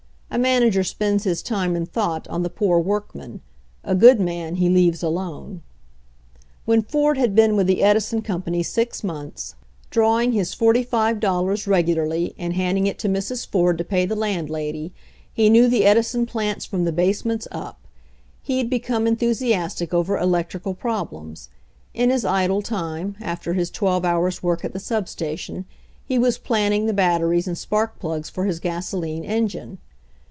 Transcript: A manager spends his time and thought on the poor workmen ; a good man he leaves alone. When Ford had been with the Edison Com pany six months, drawing his forty five dollars LEARNING ABOUT ELECTRICITY 71 regularly and handing it to Mrs. Ford to pay the landlady, he knew the Edison plants from the basements up. He had become enthusiastic over electrical problems. In his idle time, after his twelve hours' work at the sub station, he was planning the batteries and spark plugs for his gasoline engine.